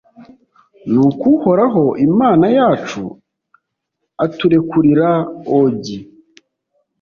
nuko uhoraho imana yacu aturekurira ogi